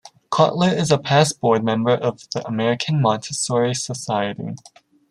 Cotler is a past board member of the American Montessori Society.